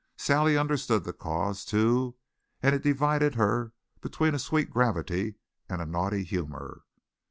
Sally understood the cause, too, and it divided her between a sweet gravity and a naughty humor.